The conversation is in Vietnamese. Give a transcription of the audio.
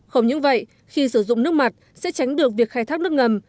không những vậy khi sử dụng nước mặt sẽ tránh được việc khai thác nước ngầm